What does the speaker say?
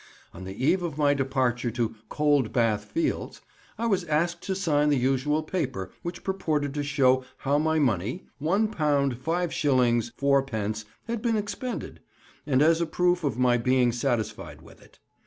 On the eve of my departure to "Cold Bath Fields," I was asked to sign the usual paper which purported to show how my money, £1 5s. 4d., had been expended, and as a proof of my being satisfied with it.